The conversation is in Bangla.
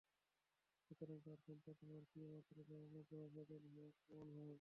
সুতরাং তার সম্পদ আমার প্রিয়পাত্র বা অনুগ্রহভাজন হওয়ার প্রমাণ নয়।